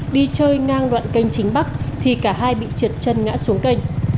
đi chơi ngang đoạn canh chính bắc thì cả hai bị trượt chân ngã xuống canh